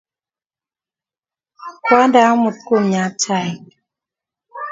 Kwondene amut kumnyat chaikchu